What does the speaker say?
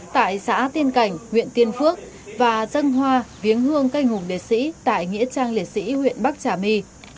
tại xã tiên cảnh huyện tiên phước và dân hoa viếng hương các anh hùng liệt sĩ tại nghĩa trang liệt sĩ huyện bắc trả my